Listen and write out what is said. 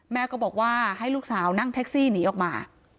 แม่ก็บอกว่าให้ลูกสาวนั่งแท็กซี่หนีออกมา